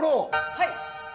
はい。